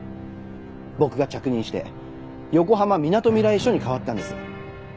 僕が着任して横浜みなとみらい署に変わったんです。